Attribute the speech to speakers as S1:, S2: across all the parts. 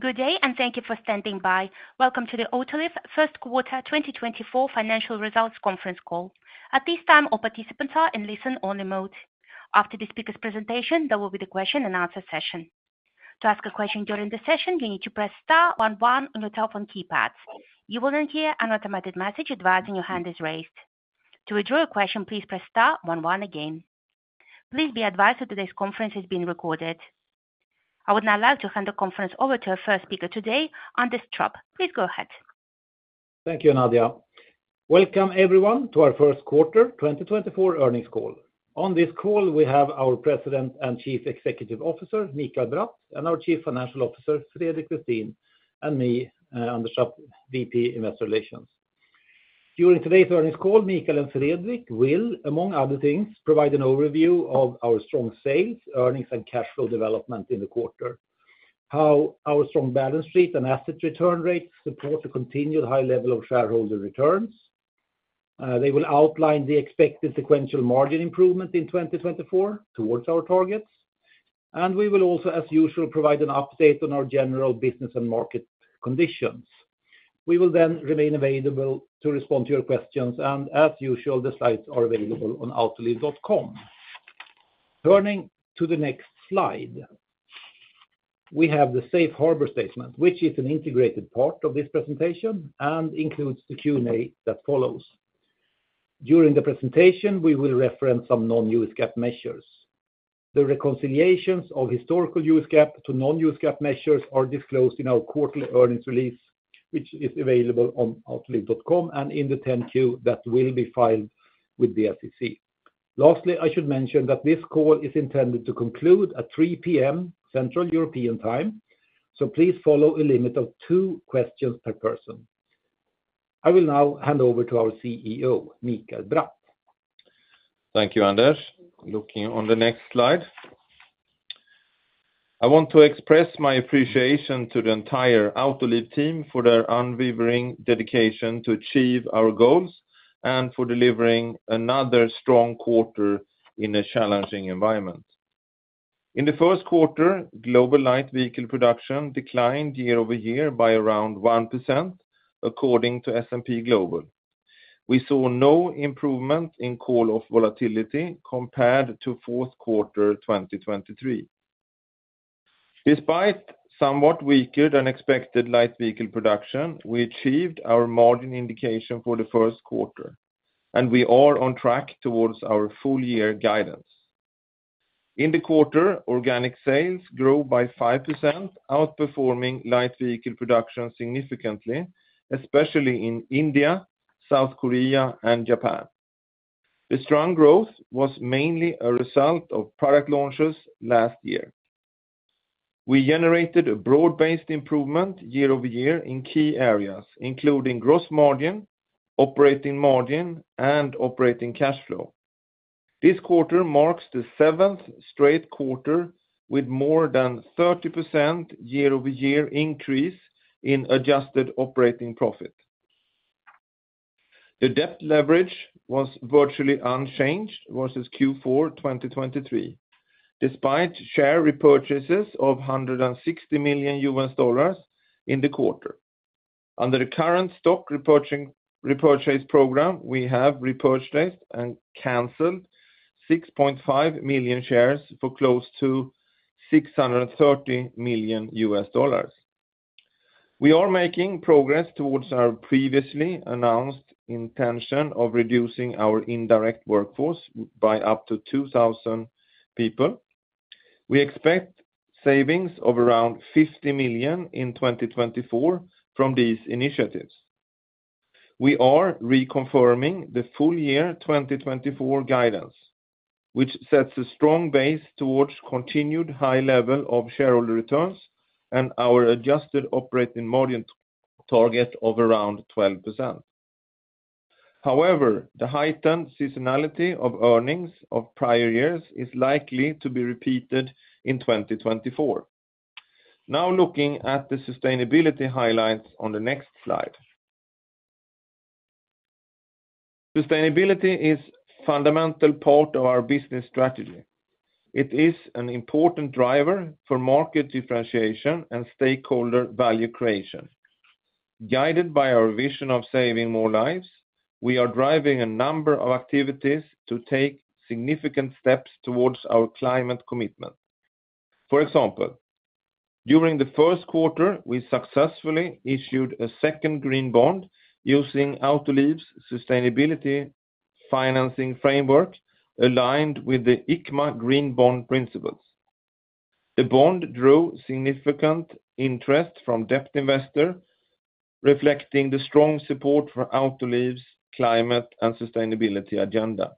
S1: Good day, and thank you for standing by. Welcome to the Autoliv first quarter 2024 Financial Results Conference Call. At this time, all participants are in listen only mode. After the speaker's presentation, there will be the question and answer session. To ask a question during the session, you need to press star one one on your telephone keypad. You will then hear an automated message advising your hand is raised. To withdraw your question, please press star one one again. Please be advised that today's conference is being recorded. I would now like to hand the conference over to our first speaker today, Anders Trapp. Please go ahead.
S2: Thank you, Nadia. Welcome everyone to our first quarter 2024 earnings call. On this call, we have our President and Chief Executive Officer, Mikael Bratt, and our Chief Financial Officer, Fredrik Westin, and me, Anders Trapp, VP, Investor Relations. During today's earnings call, Mikael and Fredrik will, among other things, provide an overview of our strong sales, earnings, and cash flow development in the quarter, how our strong balance sheet and asset return rates support a continued high level of shareholder returns. They will outline the expected sequential margin improvement in 2024 towards our targets, and we will also, as usual, provide an update on our general business and market conditions. We will then remain available to respond to your questions, and as usual, the slides are available on Autoliv.com. Turning to the next slide, we have the safe harbor statement, which is an integrated part of this presentation and includes the Q&A that follows. During the presentation, we will reference some non-U.S. GAAP measures. The reconciliations of historical U.S. GAAP to non-U.S. GAAP measures are disclosed in our quarterly earnings release, which is available on autoliv.com and in the 10-Q that will be filed with the SEC. Lastly, I should mention that this call is intended to conclude at 3:00 P.M., Central European Time, so please follow a limit of 2 questions per person. I will now hand over to our CEO, Mikael Bratt.
S3: Thank you, Anders. Looking on the next slide. I want to express my appreciation to the entire Autoliv team for their unwavering dedication to achieve our goals and for delivering another strong quarter in a challenging environment. In the first quarter, global light vehicle production declined year-over-year by around 1%, according to S&P Global. We saw no improvement in call-off volatility compared to fourth quarter 2023. Despite somewhat weaker than expected light vehicle production, we achieved our margin indication for the first quarter, and we are on track towards our full year guidance. In the quarter, organic sales grew by 5%, outperforming light vehicle production significantly, especially in India, South Korea, and Japan. The strong growth was mainly a result of product launches last year. We generated a broad-based improvement year-over-year in key areas, including gross margin, operating margin, and operating cash flow. This quarter marks the seventh straight quarter with more than 30% year-over-year increase in adjusted operating profit. The debt leverage was virtually unchanged versus Q4 2023, despite share repurchases of $160 million in the quarter. Under the current stock repurchasing, repurchase program, we have repurchased and canceled 6.5 million shares for close to $630 million. We are making progress towards our previously announced intention of reducing our indirect workforce by up to 2,000 people. We expect savings of around $50 million in 2024 from these initiatives. We are reconfirming the full year 2024 guidance, which sets a strong base towards continued high level of shareholder returns and our adjusted operating margin target of around 12%. However, the heightened seasonality of earnings of prior years is likely to be repeated in 2024. Now, looking at the sustainability highlights on the next slide. Sustainability is fundamental part of our business strategy. It is an important driver for market differentiation and stakeholder value creation. Guided by our vision of saving more lives, we are driving a number of activities to take significant steps towards our climate commitment. For example, during the first quarter, we successfully issued a second green bond using Autoliv's Sustainability Financing Framework, aligned with the ICMA Green Bond Principles. The bond drew significant interest from debt investors, reflecting the strong support for Autoliv's climate and sustainability agenda.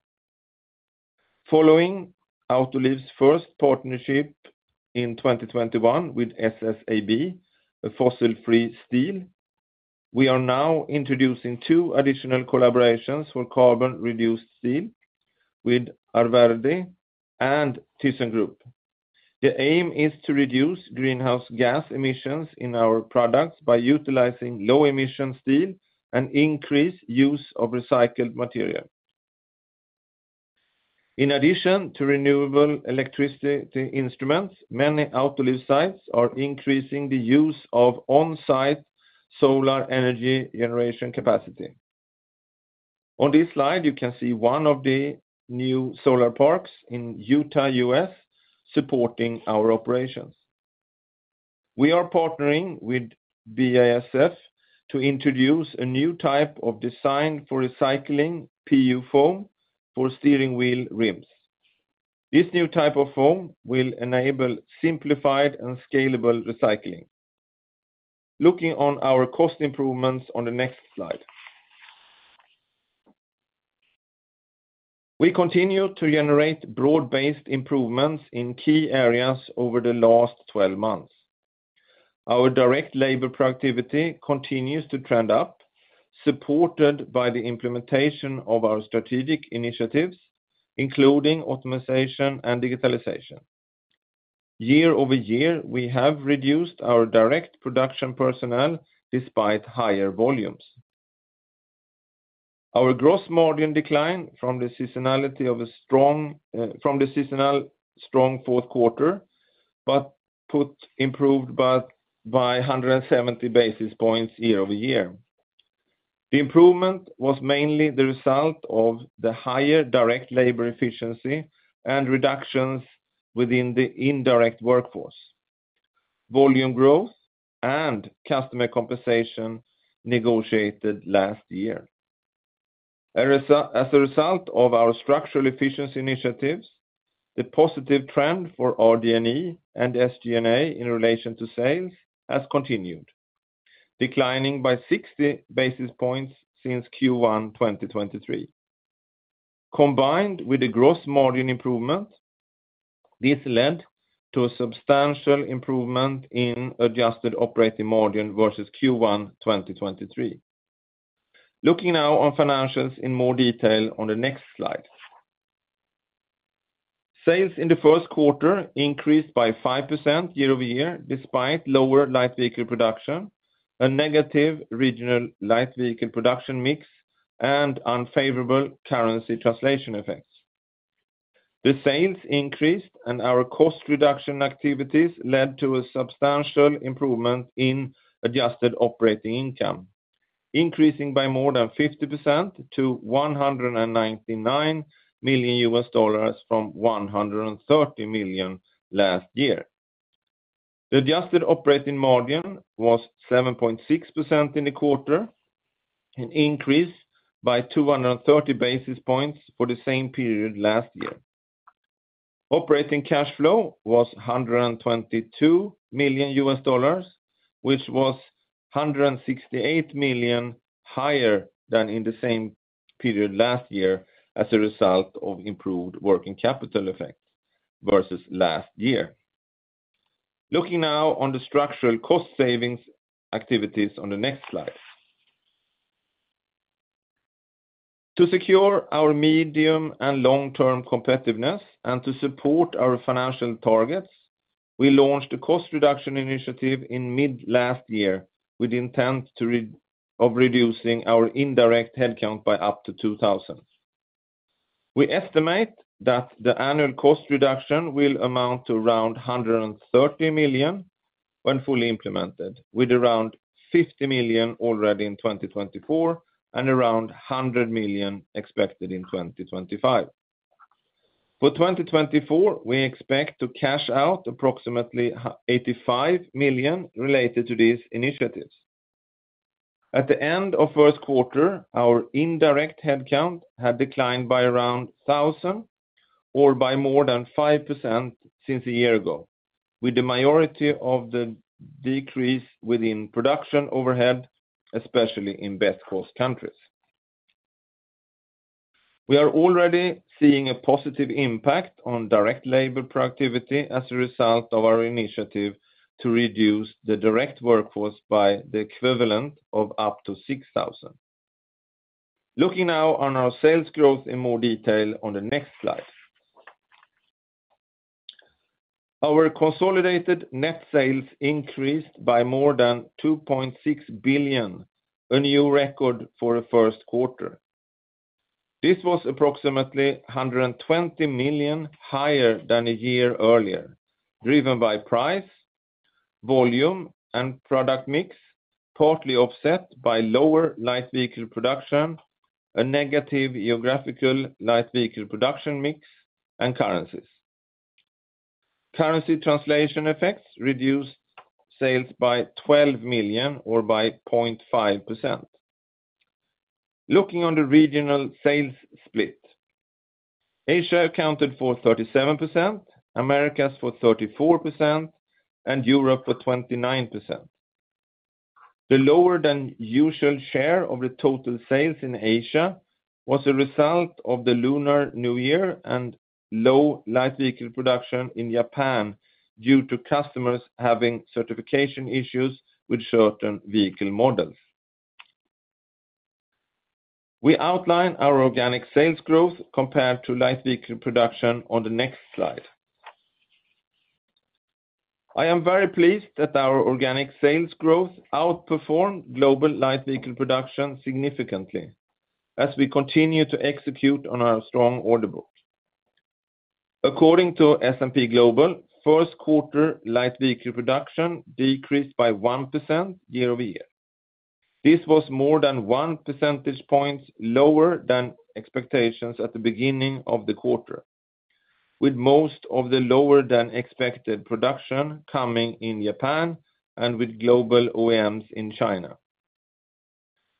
S3: Following Autoliv's first partnership in 2021 with SSAB, a fossil-free steel, we are now introducing two additional collaborations for carbon-reduced steel with Arvedi and ThyssenKrupp. The aim is to reduce greenhouse gas emissions in our products by utilizing low-emission steel and increase use of recycled material.... In addition to renewable electricity instruments, many Autoliv sites are increasing the use of on-site solar energy generation capacity. On this slide, you can see one of the new solar parks in Utah, US, supporting our operations. We are partnering with BASF to introduce a new type of design for recycling PU foam for steering wheel rims. This new type of foam will enable simplified and scalable recycling. Looking on our cost improvements on the next slide. We continue to generate broad-based improvements in key areas over the last 12 months. Our direct labor productivity continues to trend up, supported by the implementation of our strategic initiatives, including optimization and digitalization. Year-over-year, we have reduced our direct production personnel despite higher volumes. Our gross margin declined from the seasonality of a strong, from the seasonal strong fourth quarter, but it improved by 170 basis points year-over-year. The improvement was mainly the result of the higher direct labor efficiency and reductions within the indirect workforce, volume growth, and customer compensation negotiated last year. As a result of our structural efficiency initiatives, the positive trend for RD&E and SG&A in relation to sales has continued, declining by 60 basis points since Q1, 2023. Combined with the gross margin improvement, this led to a substantial improvement in adjusted operating margin versus Q1, 2023. Looking now on financials in more detail on the next slide. Sales in the first quarter increased by 5% year-over-year, despite lower light vehicle production, a negative regional light vehicle production mix, and unfavorable currency translation effects. The sales increased, and our cost reduction activities led to a substantial improvement in adjusted operating income, increasing by more than 50% to $199 million from $130 million last year. The adjusted operating margin was 7.6% in the quarter, an increase by 230 basis points for the same period last year. Operating cash flow was $122 million, which was $168 million higher than in the same period last year, as a result of improved working capital effects versus last year. Looking now on the structural cost savings activities on the next slide. To secure our medium- and long-term competitiveness and to support our financial targets, we launched a cost reduction initiative in mid last year, with intent to reduce our indirect headcount by up to 2,000. We estimate that the annual cost reduction will amount to around $130 million when fully implemented, with around $50 million already in 2024 and around $100 million expected in 2025. For 2024, we expect to cash out approximately $85 million related to these initiatives. At the end of first quarter, our indirect headcount had declined by around 1,000, or by more than 5% since a year ago, with the majority of the decrease within production overhead, especially in best cost countries. We are already seeing a positive impact on direct labor productivity as a result of our initiative to reduce the direct workforce by the equivalent of up to 6,000. Looking now on our sales growth in more detail on the next slide. Our consolidated net sales increased by more than $2.6 billion, a new record for the first quarter. This was approximately $120 million higher than a year earlier, driven by price, volume, and product mix, partly offset by lower light vehicle production, a negative geographical light vehicle production mix, and currencies. Currency translation effects reduced sales by $12 million or by 0.5%. Looking on the regional sales split, Asia accounted for 37%, Americas for 34%, and Europe for 29%. The lower than usual share of the total sales in Asia was a result of the Lunar New Year and low light vehicle production in Japan, due to customers having certification issues with certain vehicle models. We outline our organic sales growth compared to light vehicle production on the next slide.... I am very pleased that our organic sales growth outperformed global light vehicle production significantly, as we continue to execute on our strong order book. According to S&P Global, first quarter light vehicle production decreased by 1% year-over-year. This was more than 1 percentage point lower than expectations at the beginning of the quarter, with most of the lower-than-expected production coming in Japan and with global OEMs in China.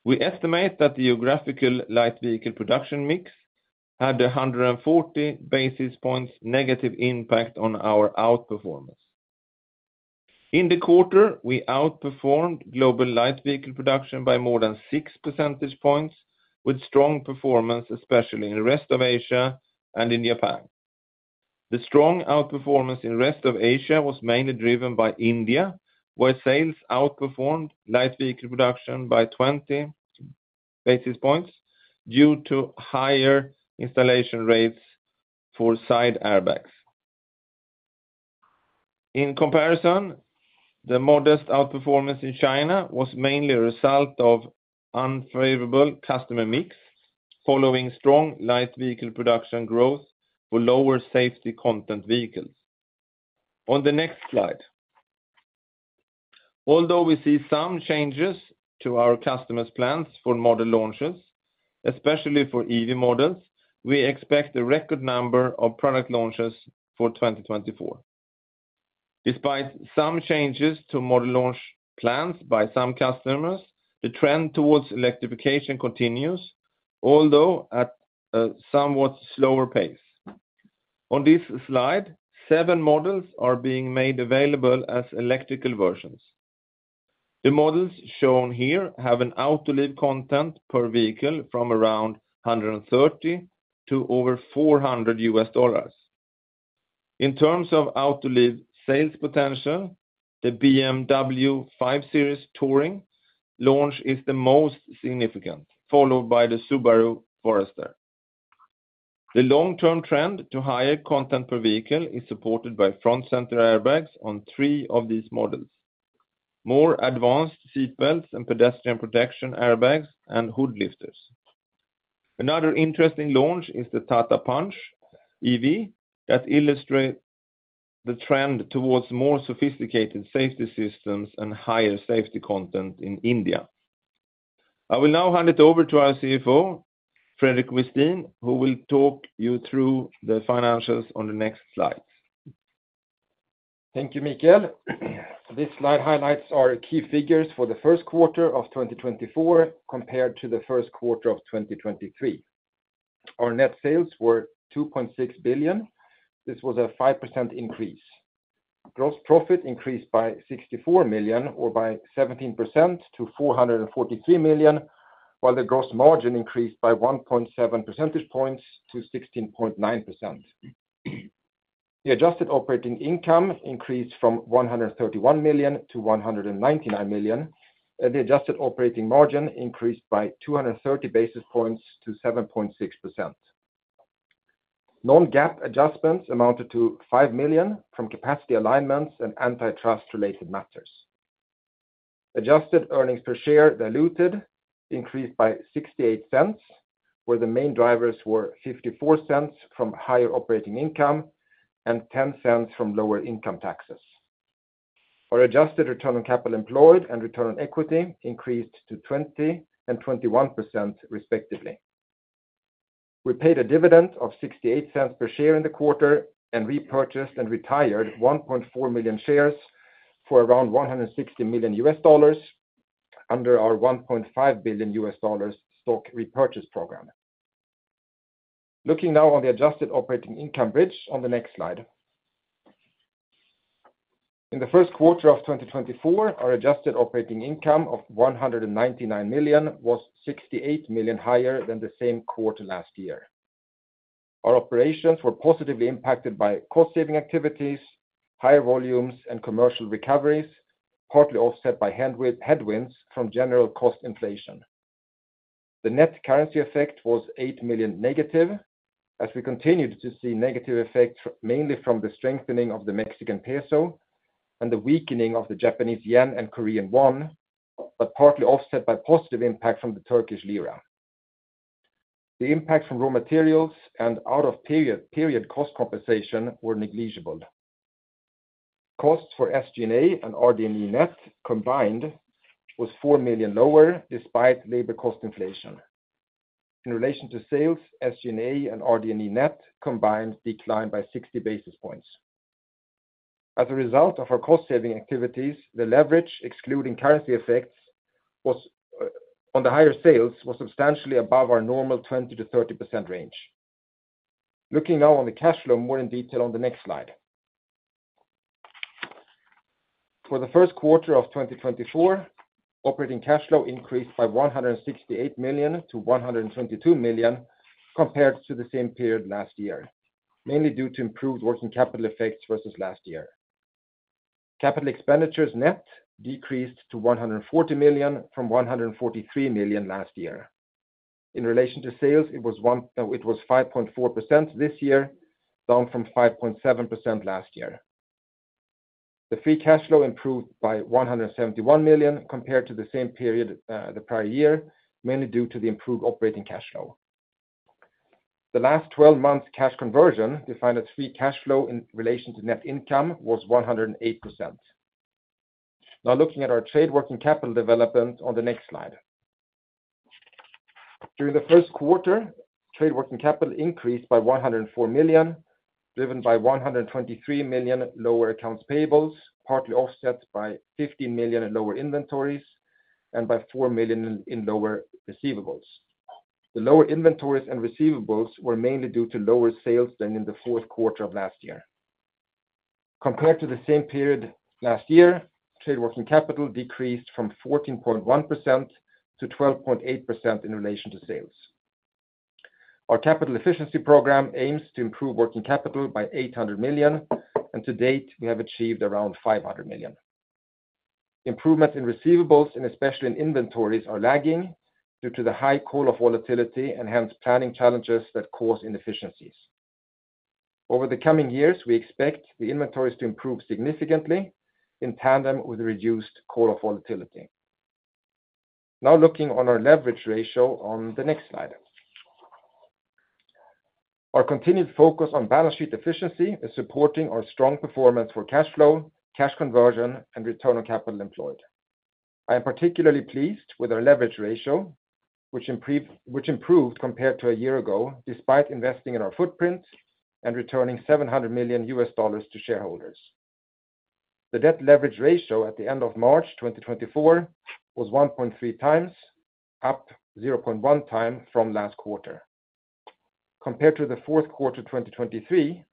S3: We estimate that the geographical light vehicle production mix had 140 basis points negative impact on our outperformance. In the quarter, we outperformed global light vehicle production by more than 6 percentage points, with strong performance, especially in the Rest of Asia and in Japan. The strong outperformance in Rest of Asia was mainly driven by India, where sales outperformed light vehicle production by 20 basis points due to higher installation rates for side airbags. In comparison, the modest outperformance in China was mainly a result of unfavorable customer mix, following strong light vehicle production growth for lower safety content vehicles. On the next slide. Although we see some changes to our customers' plans for model launches, especially for EV models, we expect a record number of product launches for 2024. Despite some changes to model launch plans by some customers, the trend towards electrification continues, although at a somewhat slower pace. On this slide, 7 models are being made available as electrical versions. The models shown here have an Autoliv content per vehicle from around $130 to over $400. In terms of Autoliv sales potential, the BMW 5 Series Touring launch is the most significant, followed by the Subaru Forester. The long-term trend to higher content per vehicle is supported by front center airbags on three of these models. More advanced seat belts and pedestrian protection airbags, and hood lifters. Another interesting launch is the Tata Punch EV, that illustrate the trend towards more sophisticated safety systems and higher safety content in India. I will now hand it over to our CFO, Fredrik Westin, who will talk you through the financials on the next slide.
S4: Thank you, Mikael. This slide highlights our key figures for the first quarter of 2024, compared to the first quarter of 2023. Our net sales were $2.6 billion. This was a 5% increase. Gross profit increased by $64 million, or by 17% to $443 million, while the gross margin increased by 1.7 percentage points to 16.9%. The adjusted operating income increased from $131 million to $199 million, and the adjusted operating margin increased by 230 basis points to 7.6%. Non-GAAP adjustments amounted to $5 million from capacity alignments and antitrust-related matters. Adjusted earnings per share diluted increased by $0.68, where the main drivers were $0.54 from higher operating income and $0.10 from lower income taxes. Our adjusted return on capital employed and return on equity increased to 20% and 21%, respectively. We paid a dividend of $0.68 per share in the quarter and repurchased and retired 1.4 million shares for around $160 million under our $1.5 billion stock repurchase program. Looking now on the adjusted operating income bridge on the next slide. In the first quarter of 2024, our adjusted operating income of $199 million was $68 million higher than the same quarter last year. Our operations were positively impacted by cost-saving activities, higher volumes, and commercial recoveries, partly offset by headwinds from general cost inflation. The net currency effect was $8 million negative, as we continued to see negative effects, mainly from the strengthening of the Mexican peso and the weakening of the Japanese yen and Korean won, but partly offset by positive impact from the Turkish lira. The impact from raw materials and out of period, period cost compensation were negligible. Costs for SG&A and RD&E net combined was $4 million lower, despite labor cost inflation. In relation to sales, SG&A and RD&E net combined declined by 60 basis points. As a result of our cost-saving activities, the leverage, excluding currency effects, was, on the higher sales, was substantially above our normal 20%-30% range. Looking now on the cash flow more in detail on the next slide. For the first quarter of 2024, operating cash flow increased by $168 million to $122 million compared to the same period last year, mainly due to improved working capital effects versus last year. Capital expenditures net decreased to $140 million from $143 million last year. In relation to sales, it was 5.4% this year, down from 5.7% last year. The free cash flow improved by $171 million compared to the same period, the prior year, mainly due to the improved operating cash flow. The last twelve months cash conversion, defined as free cash flow in relation to net income, was 108%. Now looking at our trade working capital development on the next slide. During the first quarter, trade working capital increased by $104 million, driven by $123 million lower accounts payables, partly offset by $50 million in lower inventories and by $4 million in lower receivables. The lower inventories and receivables were mainly due to lower sales than in the fourth quarter of last year. Compared to the same period last year, trade working capital decreased from 14.1% to 12.8% in relation to sales. Our capital efficiency program aims to improve working capital by $800 million, and to date, we have achieved around $500 million. Improvements in receivables, and especially in inventories, are lagging due to the high call-off volatility and hence planning challenges that cause inefficiencies. Over the coming years, we expect the inventories to improve significantly in tandem with reduced call-off volatility. Now looking at our leverage ratio on the next slide. Our continued focus on balance sheet efficiency is supporting our strong performance for cash flow, cash conversion, and return on capital employed. I am particularly pleased with our leverage ratio, which improved compared to a year ago, despite investing in our footprint and returning $700 million to shareholders. The debt leverage ratio at the end of March 2024 was 1.3 times, up 0.1 time from last quarter. Compared to the fourth quarter 2023,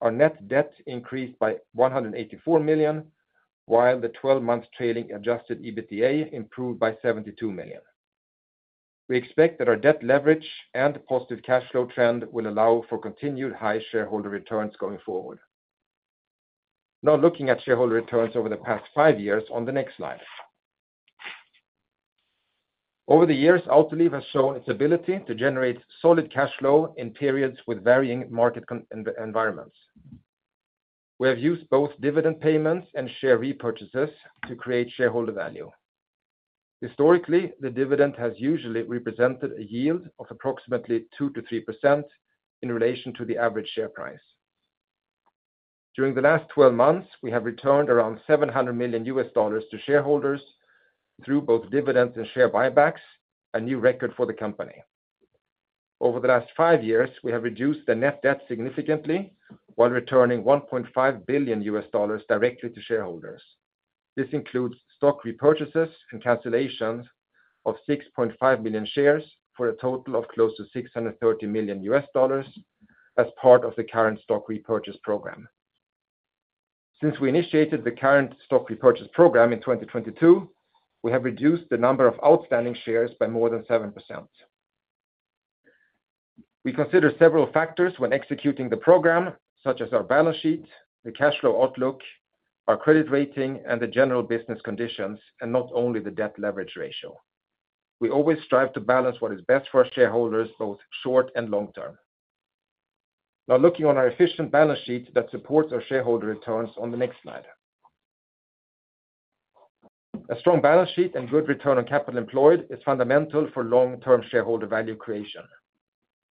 S4: our net debt increased by $184 million, while the twelve-month trailing Adjusted EBITDA improved by $72 million. We expect that our debt leverage and positive cash flow trend will allow for continued high shareholder returns going forward. Now, looking at shareholder returns over the past five years on the next slide. Over the years, Autoliv has shown its ability to generate solid cash flow in periods with varying market environments. We have used both dividend payments and share repurchases to create shareholder value. Historically, the dividend has usually represented a yield of approximately 2%-3% in relation to the average share price. During the last twelve months, we have returned around $700 million to shareholders through both dividends and share buybacks, a new record for the company. Over the last five years, we have reduced the net debt significantly while returning $1.5 billion directly to shareholders. This includes stock repurchases and cancellations of 6.5 million shares for a total of close to $630 million as part of the current stock repurchase program. Since we initiated the current stock repurchase program in 2022, we have reduced the number of outstanding shares by more than 7%. We consider several factors when executing the program, such as our balance sheet, the cash flow outlook, our credit rating, and the general business conditions, and not only the debt leverage ratio. We always strive to balance what is best for our shareholders, both short and long term. Now, looking on our efficient balance sheet that supports our shareholder returns on the next slide. A strong balance sheet and good return on capital employed is fundamental for long-term shareholder value creation.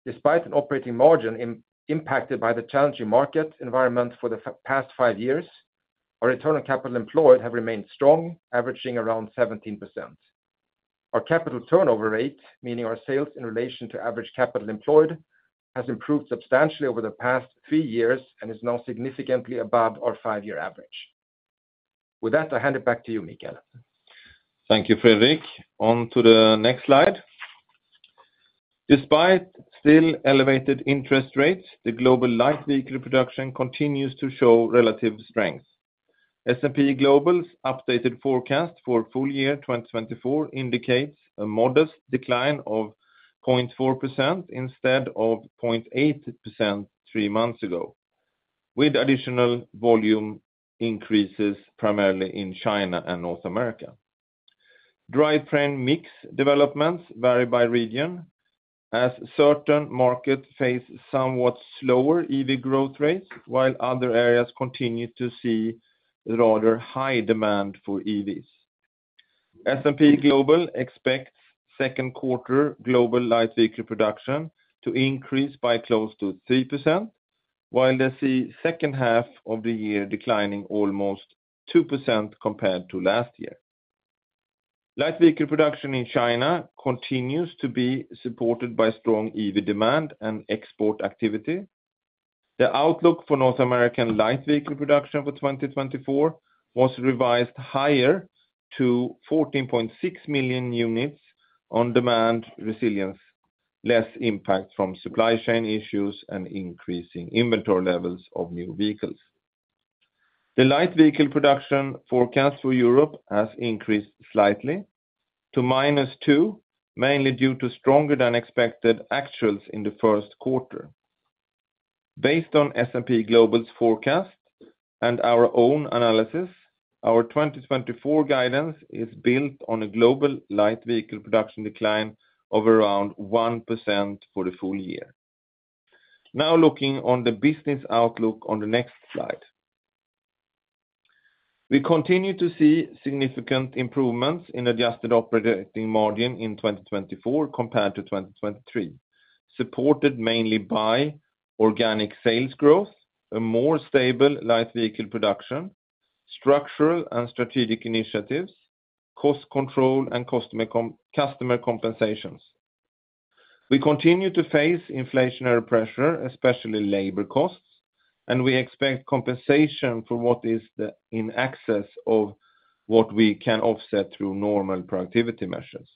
S4: Despite an operating margin impacted by the challenging market environment for the past 5 years, our return on capital employed have remained strong, averaging around 17%. Our capital turnover rate, meaning our sales in relation to average capital employed, has improved substantially over the past three years and is now significantly above our five-year average. With that, I hand it back to you, Mikael.
S3: Thank you, Fredrik. On to the next slide. Despite still elevated interest rates, the global light vehicle production continues to show relative strength. S&P Global's updated forecast for full year 2024 indicates a modest decline of 0.4% instead of 0.8% 3 months ago, with additional volume increases primarily in China and North America. Drive train mix developments vary by region, as certain markets face somewhat slower EV growth rates, while other areas continue to see rather high demand for EVs. S&P Global expect second quarter global light vehicle production to increase by close to 3%, while they see second half of the year declining almost 2% compared to last year. Light vehicle production in China continues to be supported by strong EV demand and export activity. The outlook for North American light vehicle production for 2024 was revised higher to 14.6 million units on demand resilience, less impact from supply chain issues, and increasing inventory levels of new vehicles. The light vehicle production forecast for Europe has increased slightly to -2%, mainly due to stronger than expected actuals in the first quarter. Based on S&P Global's forecast and our own analysis, our 2024 guidance is built on a global light vehicle production decline of around 1% for the full year. Now looking on the business outlook on the next slide. We continue to see significant improvements in adjusted operating margin in 2024 compared to 2023, supported mainly by organic sales growth, a more stable light vehicle production, structural and strategic initiatives, cost control, and customer compensations. We continue to face inflationary pressure, especially labor costs, and we expect compensation for what is the in excess of what we can offset through normal productivity measures.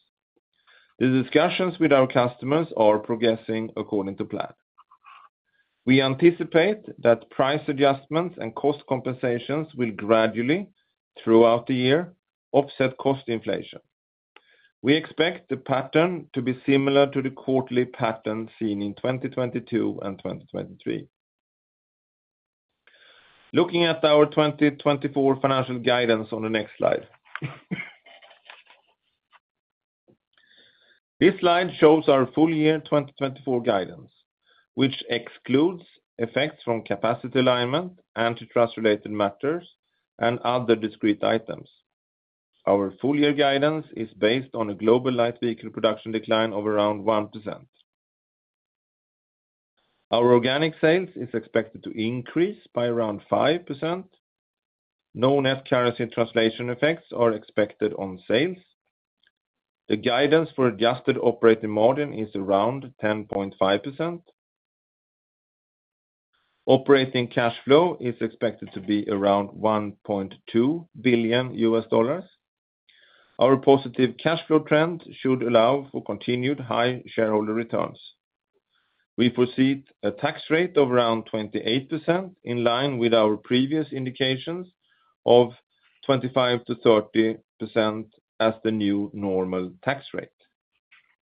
S3: The discussions with our customers are progressing according to plan. We anticipate that price adjustments and cost compensations will gradually, throughout the year, offset cost inflation. We expect the pattern to be similar to the quarterly pattern seen in 2022 and 2023. Looking at our 2024 financial guidance on the next slide. This slide shows our full-year 2024 guidance, which excludes effects from capacity alignment, antitrust-related matters, and other discrete items. Our full-year guidance is based on a global light vehicle production decline of around 1%. Our organic sales is expected to increase by around 5%. No net currency translation effects are expected on sales. The guidance for adjusted operating margin is around 10.5%. Operating cash flow is expected to be around $1.2 billion. Our positive cash flow trend should allow for continued high shareholder returns. We foresee a tax rate of around 28%, in line with our previous indications of 25%-30% as the new normal tax rate.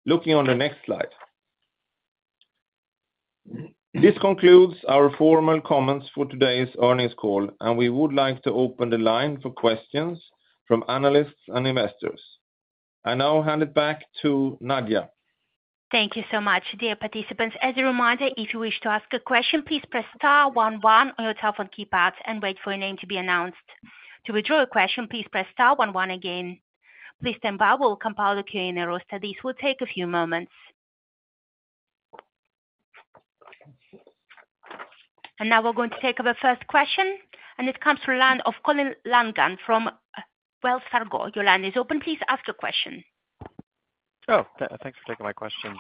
S3: Looking on the next slide. This concludes our formal comments for today's earnings call, and we would like to open the line for questions from analysts and investors. I now hand it back to Nadia.
S1: Thank you so much. Dear participants, as a reminder, if you wish to ask a question, please press star one one on your telephone keypad and wait for your name to be announced. To withdraw your question, please press star one one again. Please stand by, we'll compile the Q&A roster. This will take a few moments. Now we're going to take our first question, and it comes from the line of Colin Langan from Wells Fargo. Your line is open, please ask your question.
S5: Oh, thanks for taking my questions.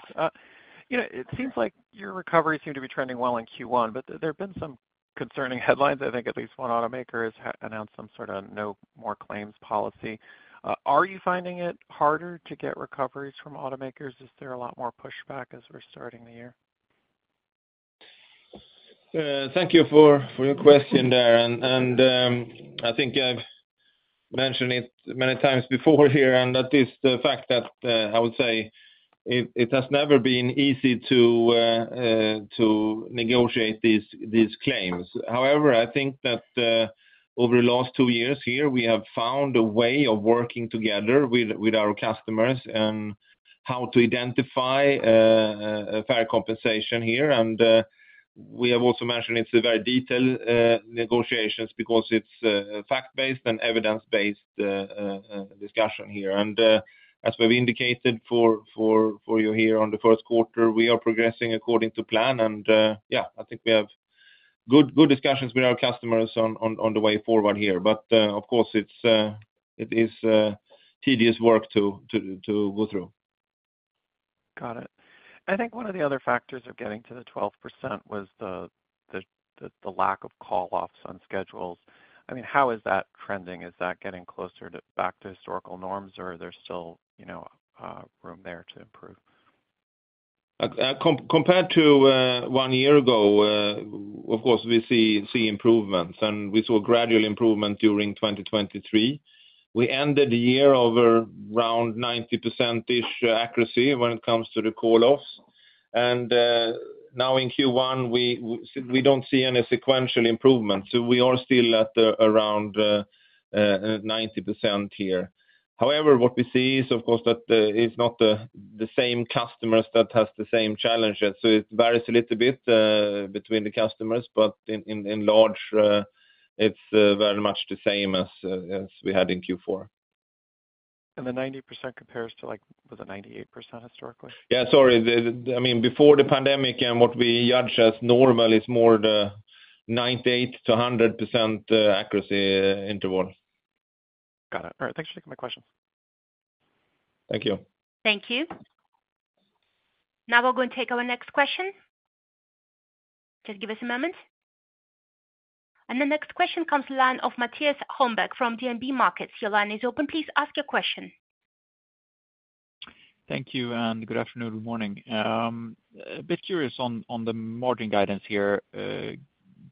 S5: You know, it seems like your recovery seemed to be trending well in Q1, but there have been some concerning headlines. I think at least one automaker has announced some sort of no more claims policy. Are you finding it harder to get recoveries from automakers? Is there a lot more pushback as we're starting the year?
S3: Thank you for your question there. I think I've mentioned it many times before here, and that is the fact that I would say it has never been easy to negotiate these claims. However, I think that over the last two years here, we have found a way of working together with our customers on how to identify a fair compensation here. We have also mentioned it's a very detailed negotiations because it's fact-based and evidence-based discussion here. As we've indicated for you here on the first quarter, we are progressing according to plan. Yeah, I think we have good discussions with our customers on the way forward here. But, of course, it is tedious work to go through.
S5: Got it. I think one of the other factors of getting to the 12% was the lack of call-offs on schedules. I mean, how is that trending? Is that getting closer to back to historical norms, or are there still, you know, room there to improve?
S3: Compared to one year ago, of course, we see improvements, and we saw gradual improvement during 2023. We ended the year at around 90%-ish accuracy when it comes to the call-offs. And now in Q1, we don't see any sequential improvement, so we are still at around 90% here. However, what we see is, of course, that it's not the same customers that has the same challenges. So it varies a little bit between the customers, but in large, it's very much the same as we had in Q4.
S5: The 90% compares to, like, was it 98% historically?
S3: Yeah, sorry. The, I mean, before the pandemic and what we judge as normal is more the 98%-100% accuracy interval.
S5: Got it. All right. Thanks for taking my question.
S3: Thank you.
S1: Thank you. Now we're going to take our next question. Just give us a moment. And the next question comes to line of Mattias Holmberg from DNB Markets. Your line is open. Please ask your question.
S6: Thank you, and good afternoon, good morning. A bit curious on, on the margin guidance here,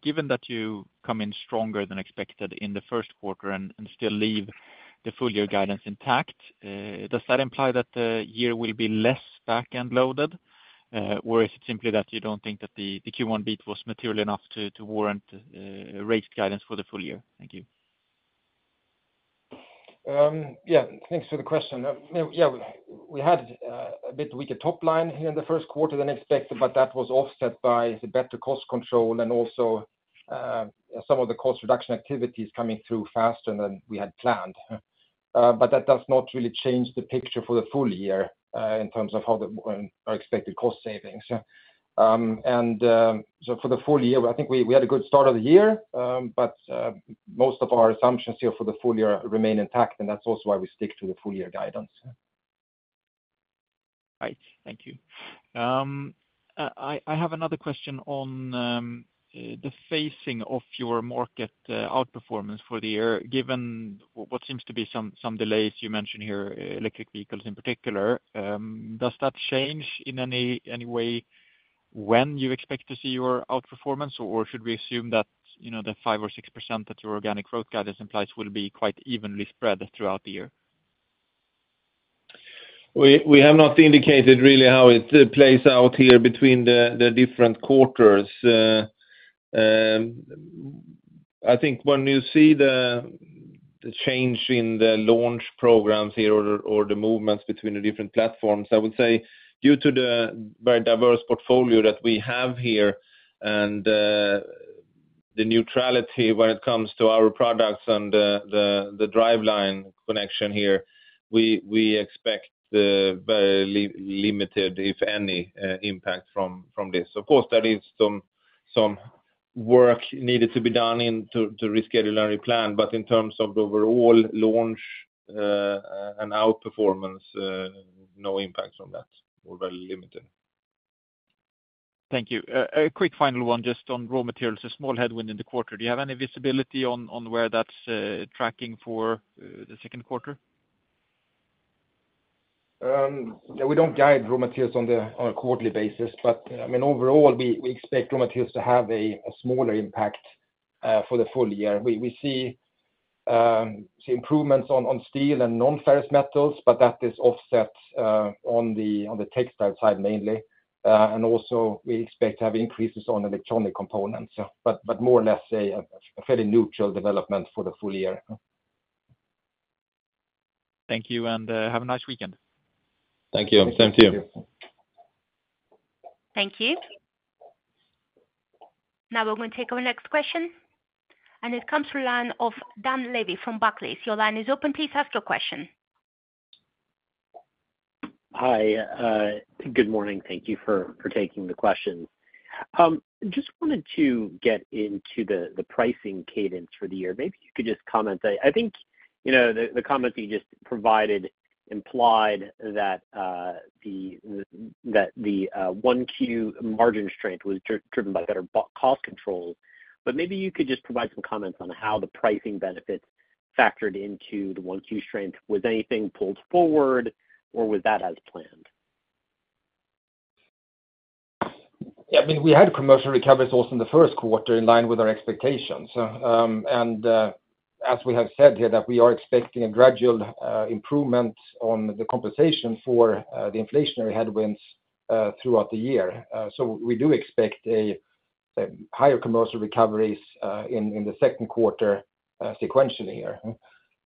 S6: given that you come in stronger than expected in the first quarter and, and still leave the full year guidance intact, does that imply that the year will be less back-end loaded? Or is it simply that you don't think that the, the Q1 beat was material enough to, to warrant raised guidance for the full year? Thank you.
S4: Yeah, thanks for the question. Yeah, we had a bit weaker top line here in the first quarter than expected, but that was offset by the better cost control and also, some of the cost reduction activities coming through faster than we had planned. But that does not really change the picture for the full year, in terms of how the, our expected cost savings. And, so for the full year, I think we, we had a good start of the year. But, most of our assumptions here for the full year remain intact, and that's also why we stick to the full year guidance.
S6: Right. Thank you. I have another question on the phasing of your market outperformance for the year, given what seems to be some delays you mentioned here, electric vehicles in particular. Does that change in any way when you expect to see your outperformance, or should we assume that, you know, the 5% or 6% that your organic growth guidance implies will be quite evenly spread throughout the year?
S3: We have not indicated really how it plays out here between the different quarters. I think when you see the change in the launch programs here or the movements between the different platforms, I would say, due to the very diverse portfolio that we have here, and the neutrality when it comes to our products and the driveline connection here, we expect very limited, if any, impact from this. Of course, there is some work needed to be done to reschedule and replan, but in terms of the overall launch and outperformance, no impact from that, or very limited.
S6: Thank you. A quick final one, just on raw materials, a small headwind in the quarter. Do you have any visibility on, on where that's tracking for the second quarter?
S4: Yeah, we don't guide raw materials on a quarterly basis. But, I mean, overall, we expect raw materials to have a smaller impact for the full year. We see improvements on steel and non-ferrous metals, but that is offset on the textile side, mainly. And also, we expect to have increases on electronic components, but more or less a fairly neutral development for the full year.
S6: Thank you, and have a nice weekend.
S3: Thank you.
S4: Thank you.
S1: Thank you. Now we're going to take our next question, and it comes from line of Dan Levy from Barclays. Your line is open. Please ask your question.
S7: Hi, good morning. Thank you for taking the questions. Just wanted to get into the pricing cadence for the year. Maybe you could just comment. I think, you know, the comments you just provided implied that the 1Q margin strength was driven by better cost controls. But maybe you could just provide some comments on how the pricing benefits factored into the 1Q strength. Was anything pulled forward, or was that as planned?
S4: Yeah, I mean, we had commercial recoveries in the first quarter, in line with our expectations. And as we have said here, that we are expecting a gradual improvement on the compensation for the inflationary headwinds throughout the year. So we do expect a higher commercial recoveries in the second quarter sequentially year.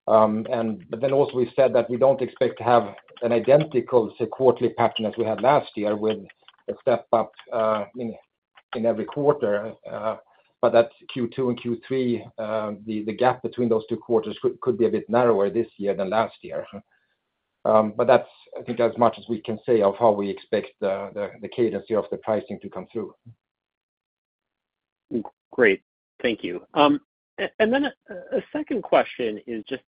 S4: And but then also we said that we don't expect to have an identical sequential quarterly pattern as we had last year, with a step up in every quarter. But that Q2 and Q3, the gap between those two quarters could be a bit narrower this year than last year. But that's, I think, as much as we can say of how we expect the cadence year of the pricing to come through.
S7: Great. Thank you. And then a second question is just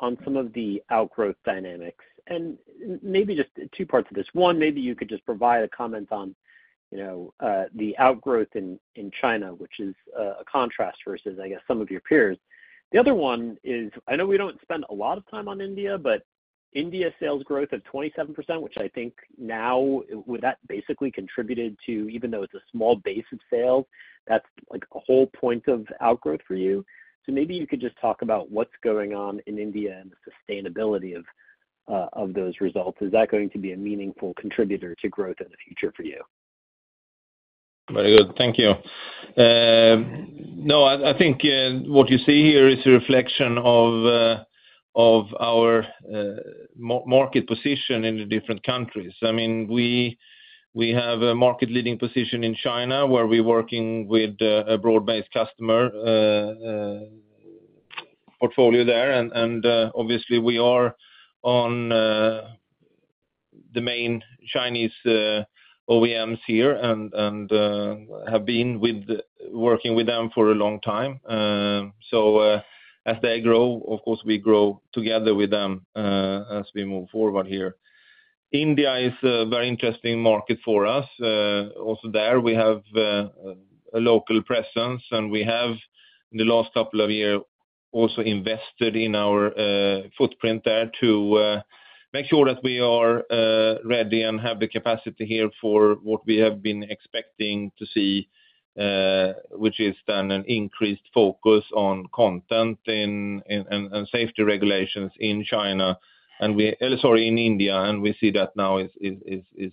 S7: on some of the outgrowth dynamics, and maybe just two parts of this. One, maybe you could just provide a comment on, you know, the outgrowth in China, which is a contrast versus, I guess, some of your peers. The other one is, I know we don't spend a lot of time on India, but India sales growth of 27%, which I think now, that basically contributed to, even though it's a small base of sales, that's like a whole point of outgrowth for you. So maybe you could just talk about what's going on in India and the sustainability of those results. Is that going to be a meaningful contributor to growth in the future for you?
S3: Very good, thank you. No, I think what you see here is a reflection of our market position in the different countries. I mean, we have a market-leading position in China, where we're working with a broad-based customer portfolio there. And obviously, we are on the main Chinese OEMs here and have been working with them for a long time. So, as they grow, of course, we grow together with them as we move forward here. India is a very interesting market for us. Also there we have a local presence, and we have, in the last couple of year-... We also invested in our footprint there to make sure that we are ready and have the capacity here for what we have been expecting to see, which is then an increased focus on content and safety regulations in China. And we, sorry, in India, and we see that now is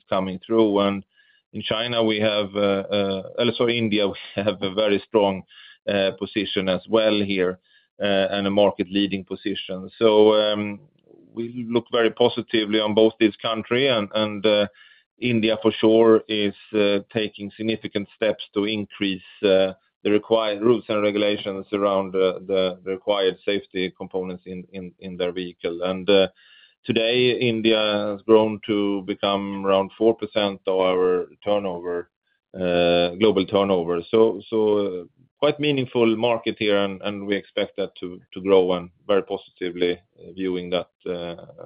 S3: coming through. And in China, we have also India, we have a very strong position as well here and a market leading position. So, we look very positively on both this country. And India for sure is taking significant steps to increase the required rules and regulations around the required safety components in their vehicle. And today, India has grown to become around 4% of our turnover, global turnover. So, quite meaningful market here, and we expect that to grow and very positively viewing that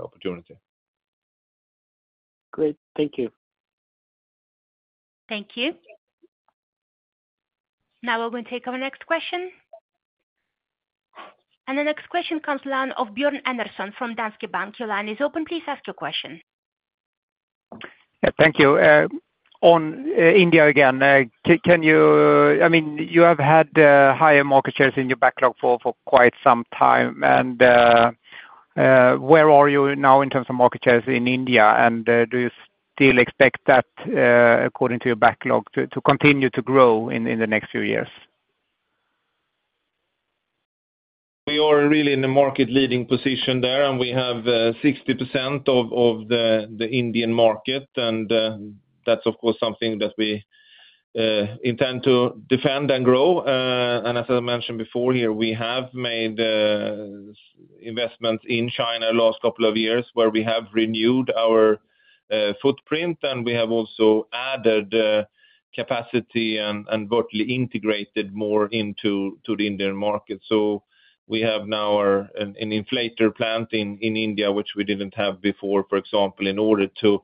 S3: opportunity.
S5: Great. Thank you.
S1: Thank you. Now we're going to take our next question. The next question comes from the line of Bjorn Andersson from Danske Bank. Your line is open, please ask your question.
S8: Yeah, thank you. On India again, can you.... I mean, you have had higher market shares in your backlog for quite some time. And where are you now in terms of market shares in India? And do you still expect that, according to your backlog, to continue to grow in the next few years?
S3: We are really in a market leading position there, and we have 60% of the Indian market. And that's of course something that we intend to defend and grow. And as I mentioned before, here, we have made investments in China last couple of years, where we have renewed our footprint, and we have also added capacity and vertically integrated more into the Indian market. So we have now an inflator plant in India, which we didn't have before, for example, in order to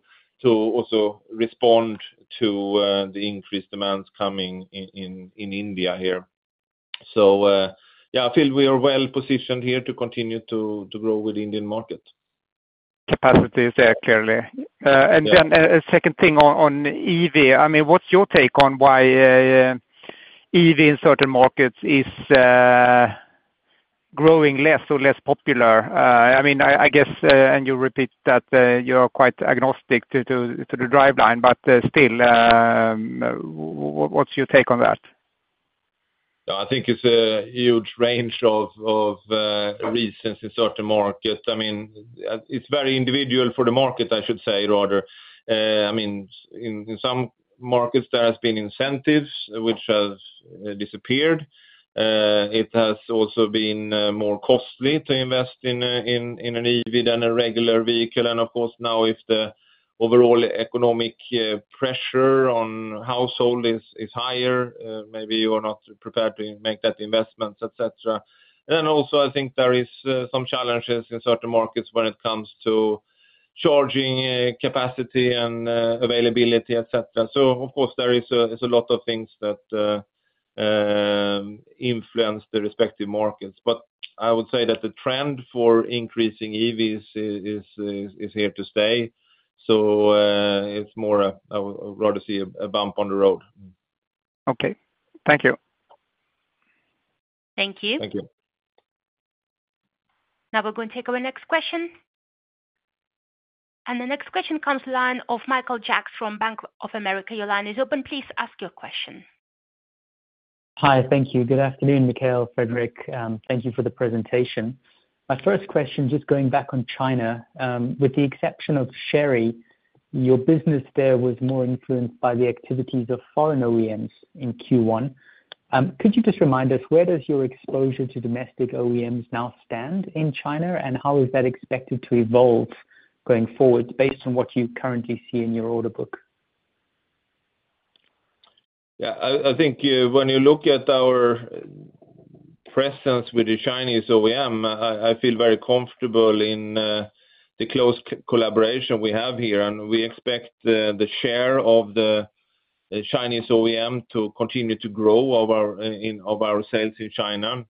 S3: also respond to the increased demands coming in India here. So yeah, I feel we are well positioned here to continue to grow with Indian market.
S8: Capacity is there, clearly.
S3: Yeah
S8: And then, second thing on EV, I mean, what's your take on why EV in certain markets is growing less or less popular? I mean, I guess, and you repeat that you're quite agnostic to the driveline, but still, what's your take on that?
S3: I think it's a huge range of reasons in certain markets. I mean, it's very individual for the market, I should say, rather. I mean, in some markets there has been incentives which have disappeared. It has also been more costly to invest in an EV than a regular vehicle. And of course, now, if the overall economic pressure on household is higher, maybe you are not prepared to make that investment, etc. And then also, I think there is some challenges in certain markets when it comes to charging capacity and availability, etc. So of course there is a lot of things that influence the respective markets, but I would say that the trend for increasing EVs is here to stay. So, it's more of a bump on the road.
S8: Okay. Thank you.
S1: Thank you.
S3: Thank you.
S1: Now we're going to take our next question. The next question comes from the line of Michael Jacks from Bank of America. Your line is open, please ask your question.
S9: Hi. Thank you. Good afternoon, Mikael, Fredrik, thank you for the presentation. My first question, just going back on China, with the exception of Chery, your business there was more influenced by the activities of foreign OEMs in Q1. Could you just remind us, where does your exposure to domestic OEMs now stand in China? And how is that expected to evolve going forward, based on what you currently see in your order book?
S3: Yeah, I think, when you look at our presence with the Chinese OEM, I feel very comfortable in the close collaboration we have here. And we expect the share of the Chinese OEM to continue to grow of our sales in China.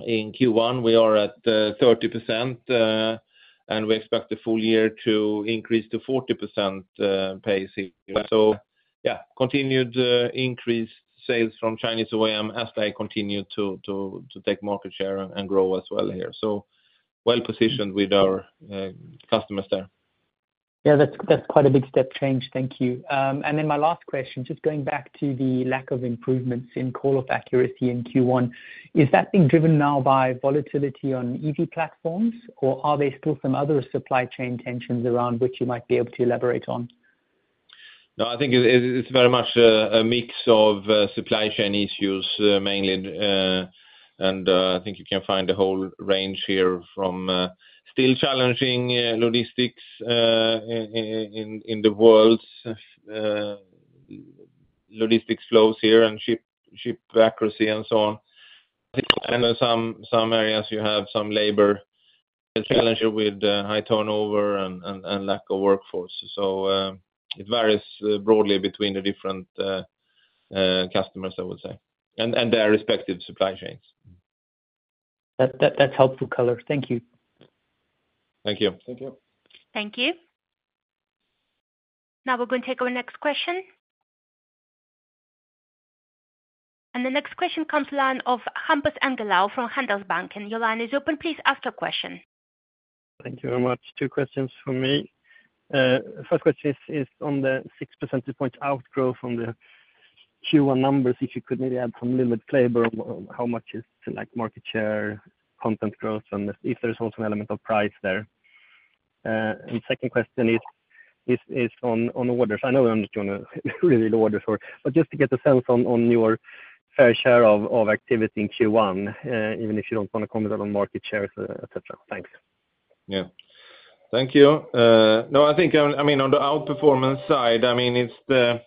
S3: In Q1, we are at 30%, and we expect the full year to increase to 40% pace here. So yeah, continued increased sales from Chinese OEM as they continue to take market share and grow as well here. So well positioned with our customers there.
S9: Yeah, that's, that's quite a big step change. Thank you. And then my last question, just going back to the lack of improvements in call-off accuracy in Q1. Is that being driven now by volatility on EV platforms, or are there still some other supply chain tensions around which you might be able to elaborate on?
S3: No, I think it's very much a mix of supply chain issues, mainly, and I think you can find a whole range here from still challenging logistics in the world's logistics flows here, and ship accuracy and so on. And some areas you have a challenge with high turnover and lack of workforce. So, it varies broadly between the different customers, I would say, and their respective supply chains.
S5: That's helpful color. Thank you.
S3: Thank you.
S5: Thank you.
S1: Thank you. Now we're going to take our next question. The next question comes from the line of Hampus Engellau from Handelsbanken. Your line is open, please ask your question.
S10: Thank you very much. 2 questions from me. First question is on the 6 percentage points outgrow from the Q1 numbers. If you could maybe add some little bit flavor on how much is, like, market share, content growth, and if there's also an element of price there? And second question is on the orders. I know you're not going to reveal the orders for but just to get a sense on your fair share of activity in Q1, even if you don't want to comment on market shares, etc. Thanks.
S3: Yeah. Thank you. No, I think, I mean, on the outperformance side, I mean, it's the,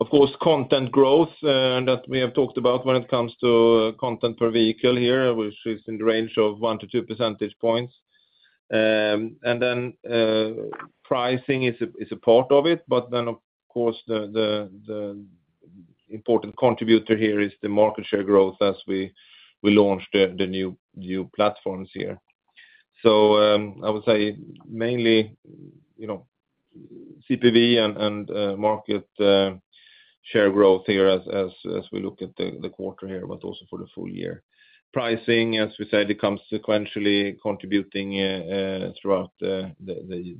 S3: of course, content growth that we have talked about when it comes to content per vehicle here, which is in the range of 1-2 percentage points. And then, pricing is a part of it, but then, of course, the important contributor here is the market share growth as we launch the new platforms here. So, I would say mainly, you know, CPV and market share growth here as we look at the quarter here, but also for the full year. Pricing, as we said, it comes sequentially contributing throughout the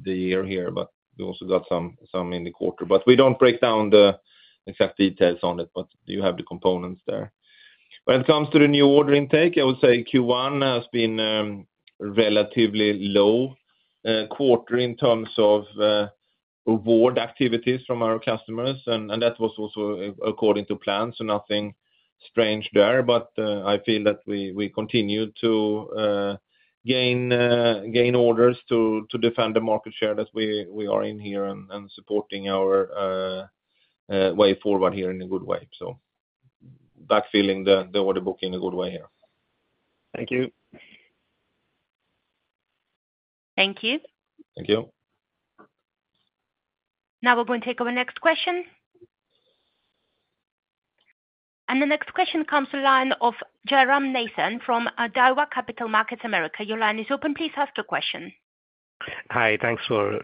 S3: year here, but we also got some in the quarter. But we don't break down the exact details on it, but you have the components there. When it comes to the new order intake, I would say Q1 has been relatively low quarter in terms of award activities from our customers. And that was also according to plan, so nothing strange there. But I feel that we continue to gain orders to defend the market share that we are in here and supporting our way forward here in a good way. So backfilling the order book in a good way here.
S10: Thank you.
S1: Thank you.
S3: Thank you.
S1: Now we're going to take our next question. The next question comes from the line of Jairam Nathan from Daiwa Capital Markets America. Your line is open. Please ask your question.
S11: Hi, thanks for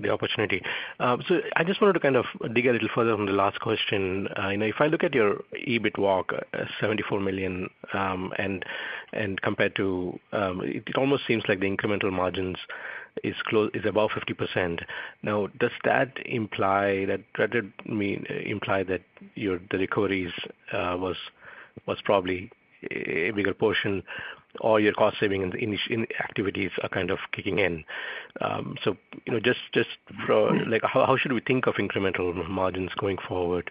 S11: the opportunity. So I just wanted to kind of dig a little further on the last question. You know, if I look at your EBIT walk, $74 million, and compared to... It almost seems like the incremental margins is above 50%. Now, does that imply that would mean imply that your deliveries was probably a bigger portion, or your cost saving and initiatives are kind of kicking in? So, you know, just like, how should we think of incremental margins going forward?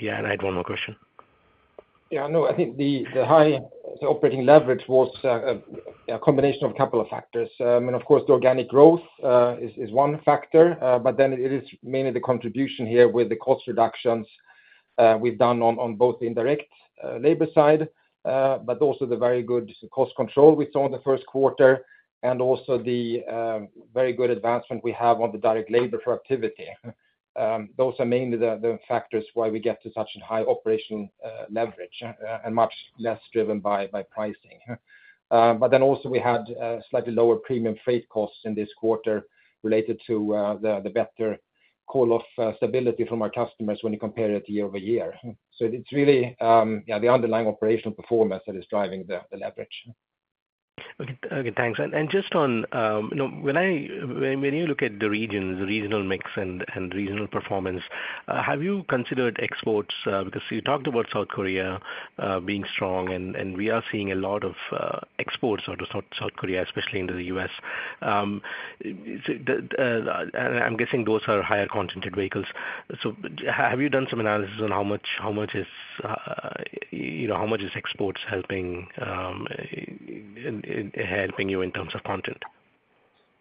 S11: Yeah, and I had one more question.
S4: Yeah, no, I think the high operating leverage was a combination of a couple of factors. And of course, the organic growth is one factor, but then it is mainly the contribution here with the cost reductions we've done on both the indirect labor side, but also the very good cost control we saw in the first quarter, and also the very good advancement we have on the direct labor productivity. Those are mainly the factors why we get to such a high operating leverage, and much less driven by pricing. But then also we had slightly lower premium freight costs in this quarter related to the better call-off stability from our customers when you compare it year-over-year. So it's really the underlying operational performance that is driving the leverage.
S11: Okay. Okay, thanks. And just on, you know, when you look at the regions, the regional mix and regional performance, have you considered exports? Because you talked about South Korea being strong, and we are seeing a lot of exports out of South Korea, especially into the US. So, and I'm guessing those are higher concentrated vehicles. So have you done some analysis on how much, how much is, you know, how much is exports helping, helping you in terms of content?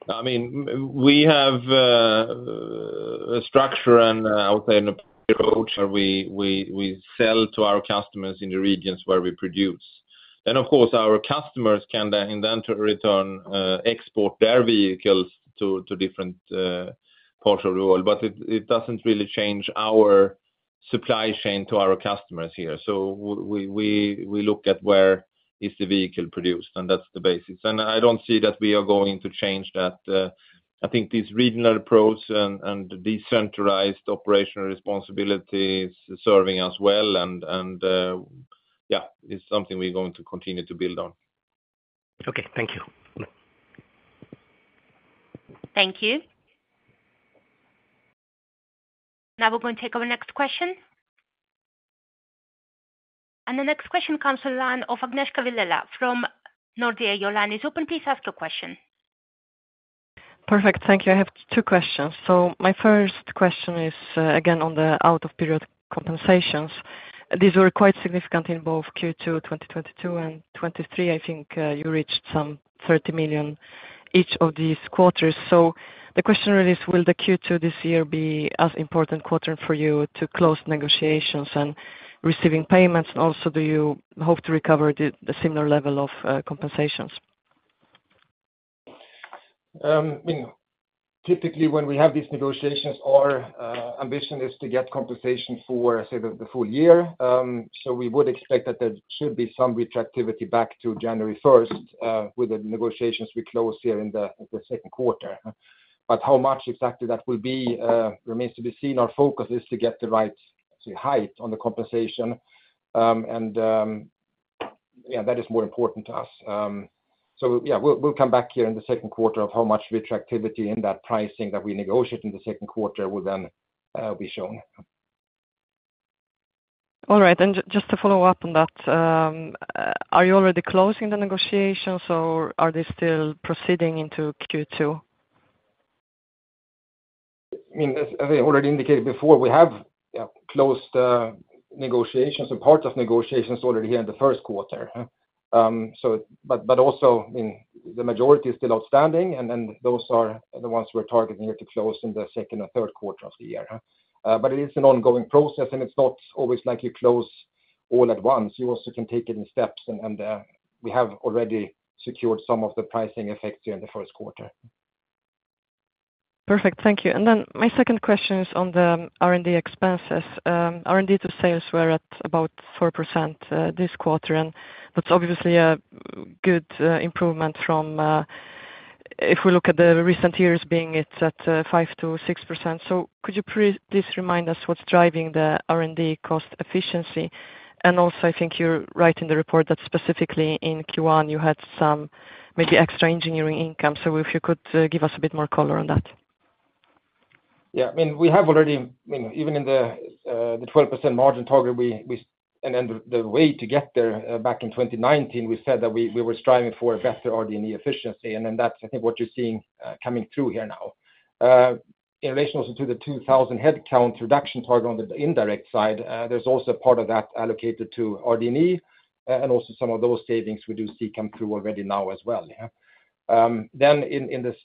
S3: I mean, we have a structure and I would say an approach where we sell to our customers in the regions where we produce. Then, of course, our customers can then, in turn, export their vehicles to different parts of the world. But it doesn't really change our supply chain to our customers here. So we look at where the vehicle is produced, and that's the basis. And I don't see that we are going to change that. I think this regional approach, yeah, it's something we're going to continue to build on.
S11: Okay. Thank you.
S1: Thank you. Now we're going to take our next question. And the next question comes to the line of Agnieszka Vilela from Nordea. Your line is open. Please ask your question.
S12: Perfect. Thank you. I have two questions. My first question is again on the out-of-period compensations. These were quite significant in both Q2 2022 and 2023. I think you reached some $30 million-... each of these quarters. So the question really is, will the Q2 this year be as important quarter for you to close negotiations and receiving payments? And also, do you hope to recover the similar level of compensations?
S4: I mean, typically, when we have these negotiations, our ambition is to get compensation for, say, the full year. So we would expect that there should be some retroactive activity back to January first with the negotiations we closed here in the second quarter. But how much exactly that will be remains to be seen. Our focus is to get the right, say, height on the compensation. Yeah, that is more important to us. So yeah, we'll come back here in the second quarter of how much retroactive activity in that pricing that we negotiate in the second quarter will then be shown.
S12: All right, and just to follow up on that, are you already closing the negotiations, or are they still proceeding into Q2?
S4: I mean, as I already indicated before, we have, yeah, closed negotiations and part of negotiations already here in the first quarter. So but, but also, I mean, the majority is still outstanding, and then those are the ones we're targeting here to close in the second and third quarter of the year. But it is an ongoing process, and it's not always like you close all at once. You also can take it in steps, and, and, we have already secured some of the pricing effects here in the first quarter.
S12: Perfect. Thank you. And then my second question is on the R&D expenses. R&D to sales were at about 4%, this quarter, and that's obviously a good improvement from, if we look at the recent years being it's at, 5%-6%. So could you please remind us what's driving the R&D cost efficiency? And also, I think you're right in the report that specifically in Q1, you had some maybe extra engineering income. So if you could, give us a bit more color on that.
S4: Yeah, I mean, we have already... I mean, even in the 12% margin target, we - and then the way to get there, back in 2019, we said that we were striving for better R&D efficiency, and then that's, I think, what you're seeing coming through here now. In relation also to the 2,000 headcount reduction target on the indirect side, there's also part of that allocated to R&D, and also some of those savings we do see come through already now as well, yeah. Then in this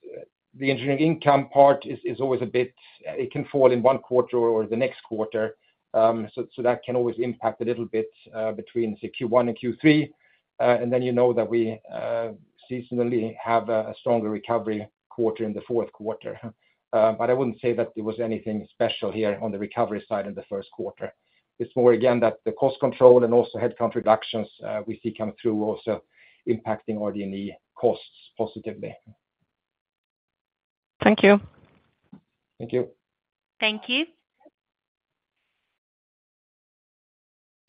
S4: the engineering income part is always a bit... It can fall in one quarter or the next quarter. So, that can always impact a little bit between, say, Q1 and Q3. And then you know that we seasonally have a stronger recovery quarter in the fourth quarter. But I wouldn't say that there was anything special here on the recovery side in the first quarter. It's more, again, that the cost control and also headcount reductions, we see coming through also impacting R&D costs positively.
S12: Thank you.
S3: Thank you.
S1: Thank you.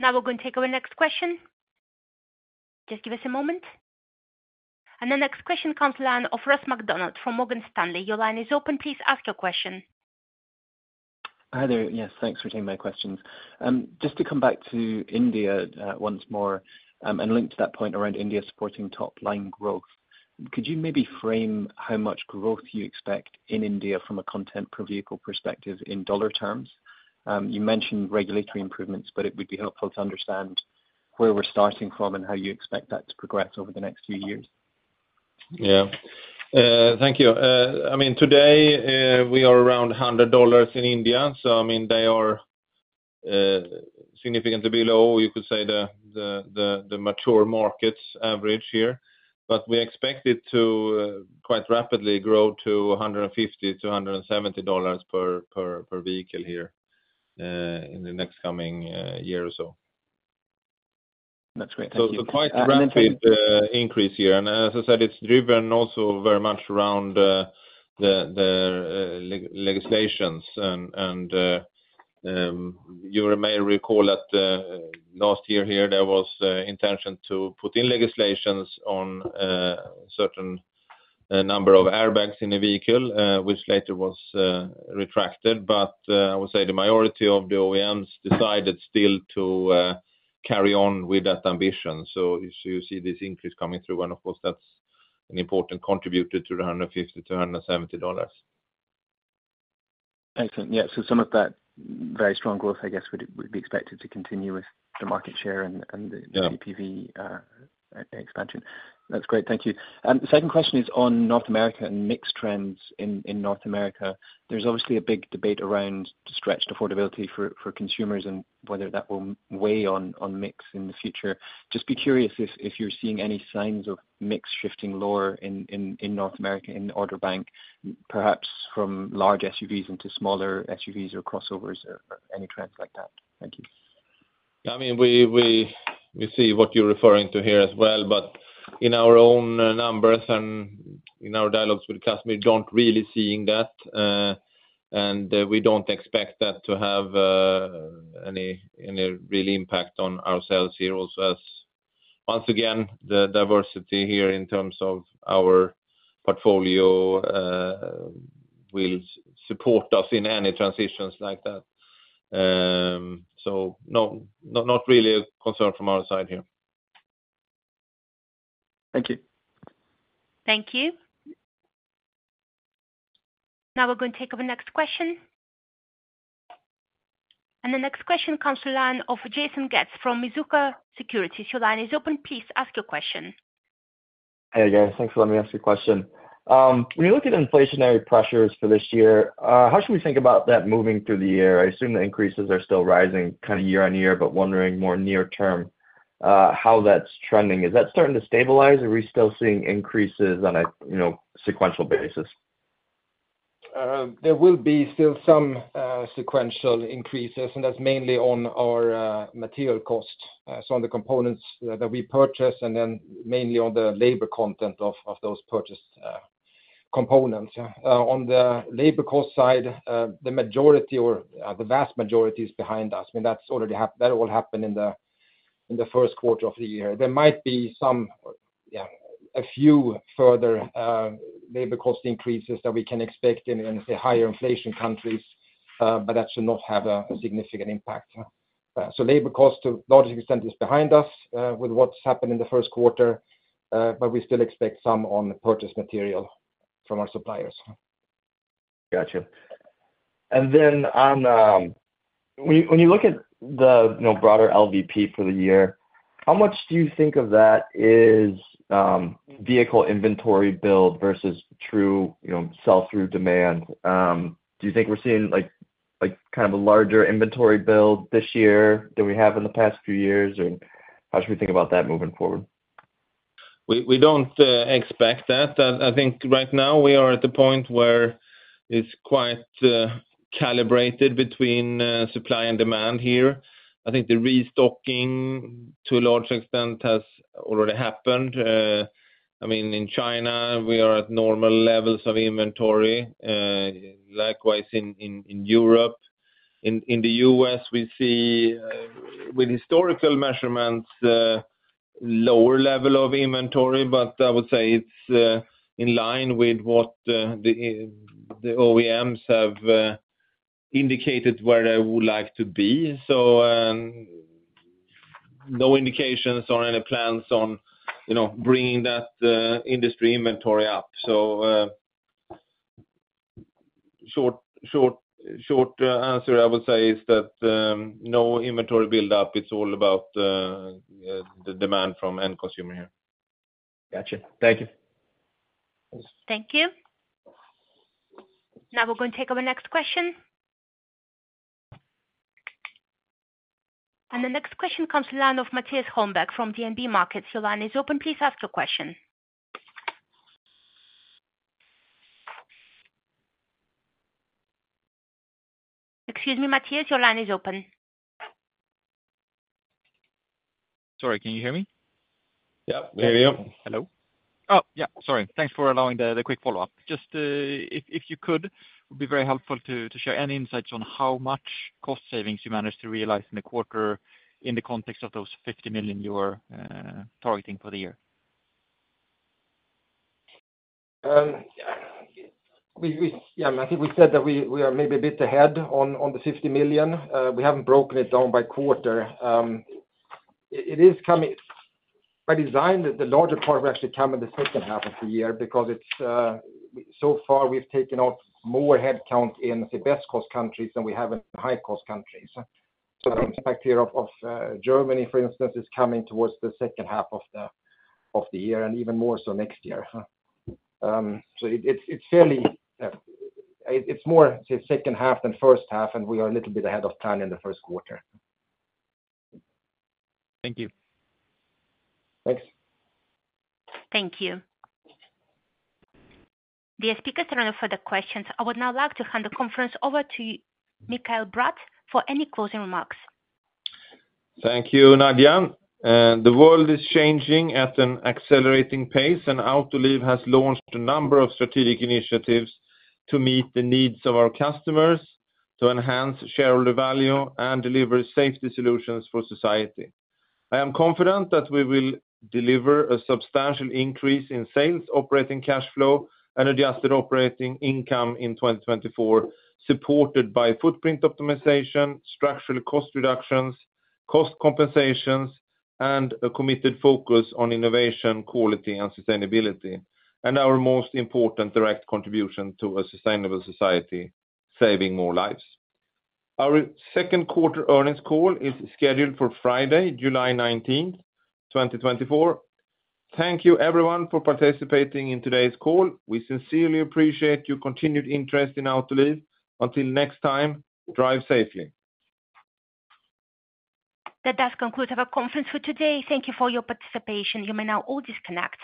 S1: Now we're going to take our next question. Just give us a moment. The next question comes from the line of Ross MacDonald from Morgan Stanley. Your line is open. Please ask your question.
S13: Hi there. Yes, thanks for taking my questions. Just to come back to India, once more, and link to that point around India supporting top line growth, could you maybe frame how much growth you expect in India from a content per vehicle perspective in dollar terms? You mentioned regulatory improvements, but it would be helpful to understand where we're starting from and how you expect that to progress over the next few years.
S3: Yeah, thank you. I mean, today, we are around $100 in India, so, I mean, they are significantly below, you could say, the mature markets average here. But we expect it to quite rapidly grow to $150-$170 per vehicle here in the next coming year or so.
S13: That's great. Thank you.
S3: So quite rapid-
S13: And then-
S3: increase here, and as I said, it's driven also very much around the legislations. And you may recall that last year here, there was intention to put in legislations on certain number of airbags in a vehicle, which later was retracted. But I would say the majority of the OEMs decided still to carry on with that ambition. So you see this increase coming through, and of course, that's an important contributor to the $150-$170.
S13: Excellent. Yeah, so some of that very strong growth, I guess, would be expected to continue with the market share and the-
S3: Yeah...
S13: CPV expansion. That's great. Thank you. The second question is on North America and mixed trends in North America. There's obviously a big debate around stretched affordability for consumers and whether that will weigh on mix in the future. Just be curious if you're seeing any signs of mix shifting lower in North America, in order bank, perhaps from large SUVs into smaller SUVs or crossovers or any trends like that. Thank you.
S3: I mean, we see what you're referring to here as well, but in our own numbers and in our dialogues with customers, we don't really see that, and we don't expect that to have any real impact on ourselves here also, as once again, the diversity here in terms of our portfolio will support us in any transitions like that. So no, not really a concern from our side here.
S13: Thank you.
S1: Thank you. Now we're going to take our next question... The next question comes to the line of Jason Getz from Mizuho Securities. Your line is open. Please ask your question.
S14: Hey, guys, thanks for letting me ask you a question. When you look at inflationary pressures for this year, how should we think about that moving through the year? I assume the increases are still rising kind of year-on-year, but wondering more near term, how that's trending. Is that starting to stabilize, or are we still seeing increases on a, you know, sequential basis?
S4: There will be still some sequential increases, and that's mainly on our material costs, so on the components that we purchase, and then mainly on the labor content of those purchased components. On the labor cost side, the majority or the vast majority is behind us, and that's already happened, that all happened in the first quarter of the year. There might be some, yeah, a few further labor cost increases that we can expect in, say, higher inflation countries, but that should not have a significant impact. So labor cost to a large extent is behind us, with what's happened in the first quarter, but we still expect some on the purchased material from our suppliers.
S15: Gotcha. And then on, when you look at the, you know, broader LVP for the year, how much do you think of that is, vehicle inventory build versus true, you know, sell-through demand? Do you think we're seeing like, kind of a larger inventory build this year than we have in the past few years, or how should we think about that moving forward?
S3: We don't expect that. I think right now we are at the point where it's quite calibrated between supply and demand here. I think the restocking, to a large extent, has already happened. I mean, in China, we are at normal levels of inventory, likewise in Europe. In the US, we see with historical measurements lower level of inventory, but I would say it's in line with what the OEMs have indicated where they would like to be. So, no indications or any plans on, you know, bringing that industry inventory up. So, short answer I would say is that, no inventory buildup. It's all about the demand from end consumer here.
S14: Gotcha. Thank you.
S1: Thank you. Now we're going to take our next question. The next question comes to the line of Mattias Holmberg from DNB Markets. Your line is open. Please ask your question. Excuse me, Mattias, your line is open.
S6: Sorry, can you hear me?
S3: Yep, we hear you.
S6: Hello? Oh, yeah, sorry. Thanks for allowing the quick follow-up. Just, if you could, it would be very helpful to share any insights on how much cost savings you managed to realize in the quarter in the context of those $50 million you were targeting for the year.
S4: Yeah, I think we said that we are maybe a bit ahead on the $50 million. We haven't broken it down by quarter. It is coming, by design, the larger part will actually come in the second half of the year because it's so far we've taken out more headcount in the best cost countries than we have in high-cost countries. So the impact here of Germany, for instance, is coming towards the second half of the year, and even more so next year. So it's fairly, it's more the second half than first half, and we are a little bit ahead of time in the first quarter.
S6: Thank you.
S3: Thanks.
S1: Thank you. The speakers are done for the questions. I would now like to hand the conference over to Mikael Bratt for any closing remarks.
S3: Thank you, Nadia. The world is changing at an accelerating pace, and Autoliv has launched a number of strategic initiatives to meet the needs of our customers, to enhance shareholder value, and deliver safety solutions for society. I am confident that we will deliver a substantial increase in sales, operating cash flow, and adjusted operating income in 2024, supported by footprint optimization, structural cost reductions, cost compensations, and a committed focus on innovation, quality, and sustainability, and our most important direct contribution to a sustainable society, saving more lives. Our second quarter earnings call is scheduled for Friday, July 19th, 2024. Thank you everyone for participating in today's call. We sincerely appreciate your continued interest in Autoliv. Until next time, drive safely.
S1: That does conclude our conference for today. Thank you for your participation. You may now all disconnect.